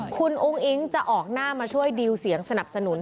คุณอุ้งอิ๊งจะออกหน้ามาช่วยดิวเสียงสนับสนุน